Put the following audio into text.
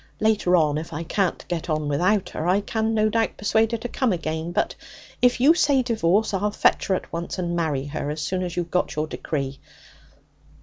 Later on, if I can't get on without her, I can no doubt persuade her to come again. But if you say divorce, I'll fetch her at once, and marry her as soon as you've got your decree.